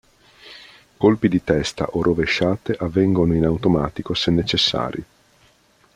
Colpi di testa o rovesciate avvengono in automatico se necessari.